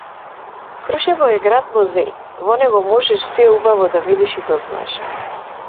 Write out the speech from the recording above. Крушево е град музеј во него можеш се убаво да видиш и дознаеш.